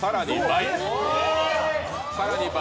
更に倍！